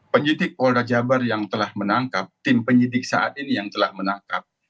penyidik polda jabar yang telah menangkap tim penyidik saat ini yang telah menangkap